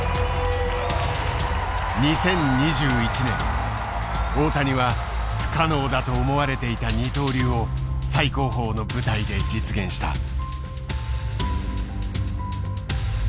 ２０２１年大谷は不可能だと思われていた二刀流を最高峰の舞台で実現した。